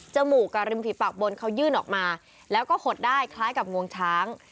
มูกกับริมฝีปากบนเขายื่นออกมาแล้วก็หดได้คล้ายกับงวงช้าง